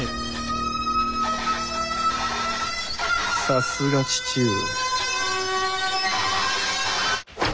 さすが父上。